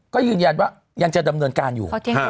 ก็ยืนยันว่ายังจะดำเนินการอยู่